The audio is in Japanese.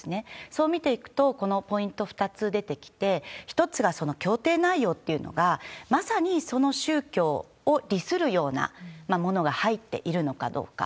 そう見ていくと、このポイント２つ出てきて、１つが、その協定内容っていうのが、まさにその宗教を利するようなものが入っているのかどうか。